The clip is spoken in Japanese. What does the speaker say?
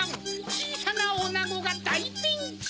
ちいさなおなごがだいピンチ。